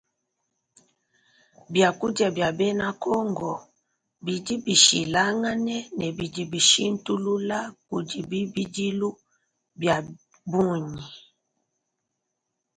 Biakudia bia bena congo bidi bishilangane ne bidi bishintulula kudi bibidilu bia bungi.